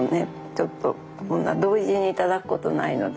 ちょっとこんな同時にいただくことないので。